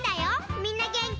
みんなげんき？